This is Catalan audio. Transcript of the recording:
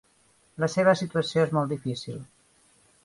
La seva situació és molt difícil.